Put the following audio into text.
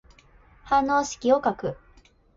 反応式を書く。